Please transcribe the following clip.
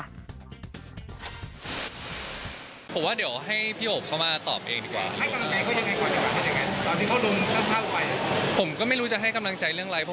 เราเพิ่งตอบผมว่าเป็นใครก็เสียดายหรอเนอะ